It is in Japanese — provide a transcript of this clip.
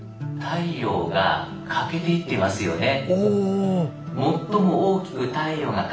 太陽が欠けていってますよね。